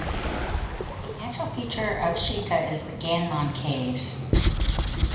A natural feature of Shika is the Ganmon caves.